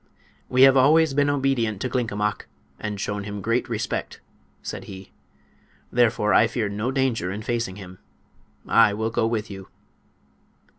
"We have always been obedient to Glinkomok, and shown him great respect," said he. "Therefore I fear no danger in facing him. I will go with you."